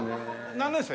何年生？